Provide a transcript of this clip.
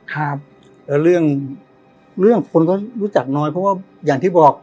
ครับแล้วเรื่องเรื่องคนก็รู้จักน้อยเพราะว่าอย่างที่บอก